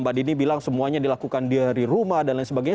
mbak dini bilang semuanya dilakukan dari rumah dan lain sebagainya